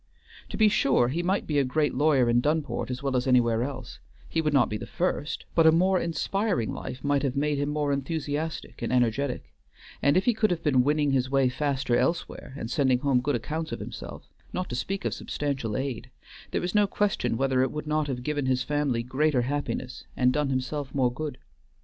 To be sure, he might be a great lawyer in Dunport as well as anywhere else; he would not be the first; but a more inspiring life might have made him more enthusiastic and energetic, and if he could have been winning his way faster elsewhere, and sending home good accounts of himself, not to speak of substantial aid, there is no question whether it would not have given his family greater happiness and done himself more good.